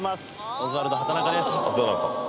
「オズワルド」・畠中です